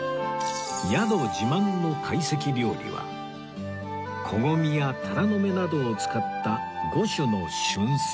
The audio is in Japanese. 宿自慢の懐石料理はこごみやタラの芽などを使った５種の旬菜